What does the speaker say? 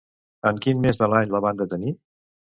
En quin mes de l'any la van detenir?